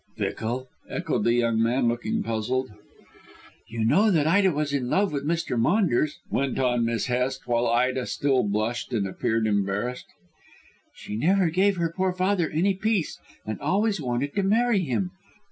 "Fickle?" echoed the young man, looking puzzled. "You know that Ida was in love with Mr. Maunders," went on Miss Hest, while Ida still blushed and appeared embarrassed. "She never gave her poor father any peace and always wanted to marry him.